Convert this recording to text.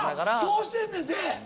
そうしてんねんって！